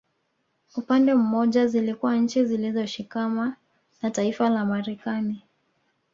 Upande mmoja zilikuwa nchi zilizoshikama na taifa la Marekani